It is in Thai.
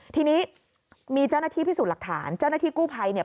ทีนี้มีเจ้าหน้าที่พิสูจน์หลักฐานเจ้าหน้าที่กู้ภัยเนี่ย